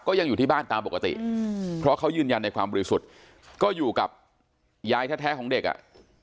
ยังอยู่ที่บ้านตามปกติเพราะเขายืนยันในความบริสุทธิ์ก็อยู่กับยายแท้ของเด็กอ่ะ